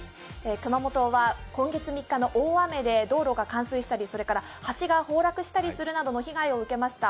熊本は今月３日の大雨で道路が冠水したりそれから橋が崩落したりするなどの被害を受けました。